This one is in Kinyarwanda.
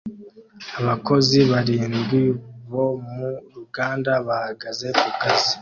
Abakozi barindwi bo mu ruganda bahagaze ku kazi